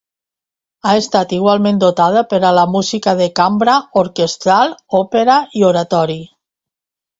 Ha estat igualment dotada per a la música de cambra, orquestral, òpera, i oratori.